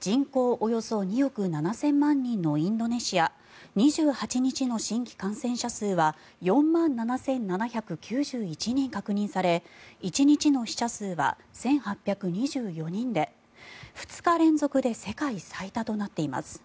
人口およそ２億７０００万人のインドネシア２８日の新規感染者数は４万７７９１人確認され１日の死者数は１８２４人で２日連続で世界最多となっています。